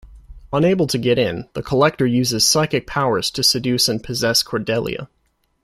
Unable to get in, the Collector uses psychic powers to seduce and possess Cordelia.